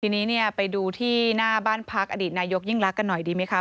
ทีนี้เนี่ยไปดูที่หน้าบ้านพักอดีตนายกยิ่งรักกันหน่อยดีไหมคะ